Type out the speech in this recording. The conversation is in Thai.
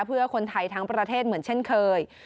เพื่อคนไทยทั้งประเทศเหมือนเช่นเคย